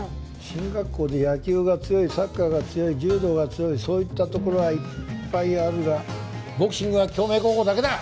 進学校で野球が強いサッカーが強い柔道が強いそういったところはいっぱいあるがボクシングは京明高校だけだ！